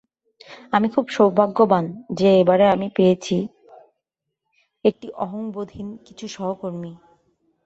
আমি খুব সৌভাগ্যবান যে এবারে আমি পেয়েছি একটি অহংবোধহীন কিছু সহকর্মী।